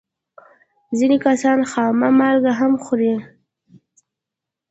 ځینې کسان خامه مالګه هم خوري.